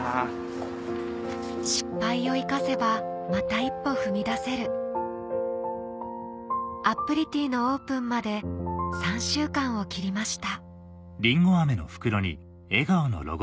失敗を生かせばまた一歩踏み出せるあっぷりてぃのオープンまで３週間を切りました